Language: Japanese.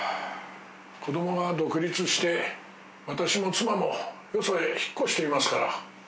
子供が独立して私も妻もよそへ引っ越していますから。